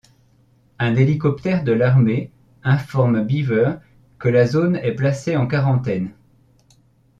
Un hélicoptère de l'armée informe Beaver que la zone est placée en quarantaine.